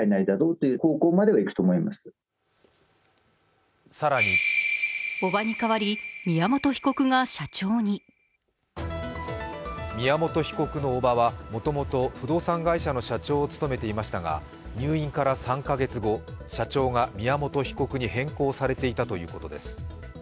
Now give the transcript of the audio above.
専門家は更に宮本被告の叔母はもともと不動産会社の社長を務めていましたが入院から３か月後、社長が宮本被告に変更されていたということです。